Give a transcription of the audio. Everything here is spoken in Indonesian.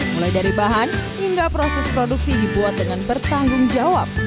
mulai dari bahan hingga proses produksi dibuat dengan bertanggung jawab